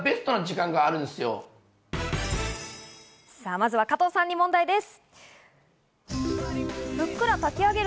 まずは加藤さんに問題です。